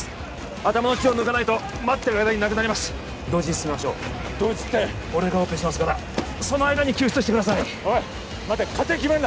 頭の血を抜かないと待ってる間に亡くなります同時に進めましょう同時って俺がオペしますからその間に救出してくださいおい待て勝手に決めるな！